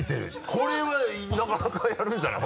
これはなかなかやるんじゃない？